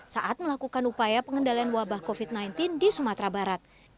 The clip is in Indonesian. saat melakukan upaya pengendalian wabah covid sembilan belas di sumatera barat